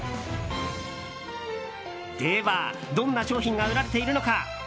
では、どんな商品が売られているのか。